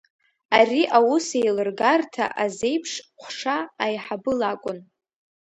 Ари аусеилыргарҭа азеиԥш ҟәша аиҳабы лакәын.